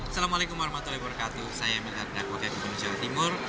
saya amin ardhaq gubernur jawa timur